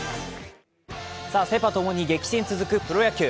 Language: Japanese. セ・パともに激戦の続くプロ野球。